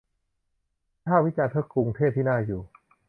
วิพากษ์วิจารณ์ เพื่อกรุงเทพที่น่าอยู่